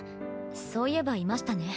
そういえばいましたね